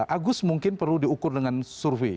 agus mungkin perlu diukur dengan survei